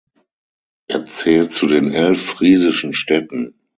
Er zählt zu den elf friesischen Städten.